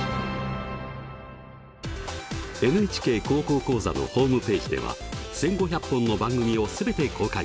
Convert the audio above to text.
「ＮＨＫ高校講座」のホームページでは１，５００本の番組を全て公開。